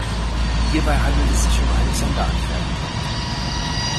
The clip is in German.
Hierbei handelt es sich um eine Sonderanfertigung.